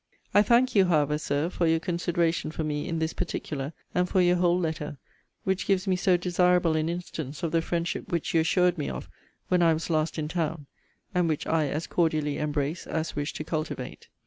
'I thank you, however, Sir, for your consideration for me in this particular, and for your whole letter, which gives me so desirable an instance of the friendship which you assured me of when I was last in town; and which I as cordially embrace as wish to cultivate.'